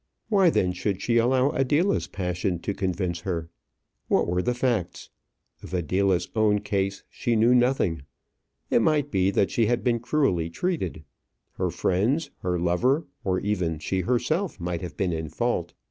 Why then should she allow Adela's passion to convince her? What were the facts? Of Adela's own case she knew nothing. It might be that she had been cruelly treated. Her friends, her lover, or even she herself might have been in fault.